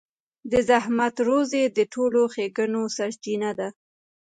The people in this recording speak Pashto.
د زحمت روزي د ټولو ښېګڼو سرچينه ده.